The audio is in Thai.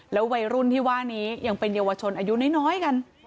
วัยรุ่นที่ว่านี้ยังเป็นเยาวชนอายุน้อยกัน